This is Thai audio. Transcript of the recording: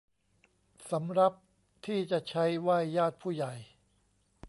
สำรับที่จะใช้ไหว้ญาติผู้ใหญ่